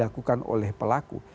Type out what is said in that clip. dilakukan oleh pelaku